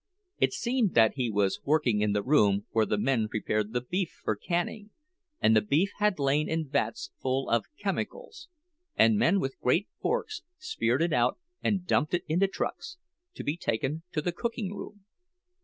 It seemed that he was working in the room where the men prepared the beef for canning, and the beef had lain in vats full of chemicals, and men with great forks speared it out and dumped it into trucks, to be taken to the cooking room.